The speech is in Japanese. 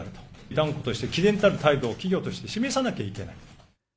断固としてきぜんたる態度を企業として示さなきゃいけない。